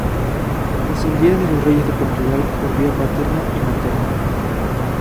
Descendía de los reyes de Portugal por vía paterna y materna.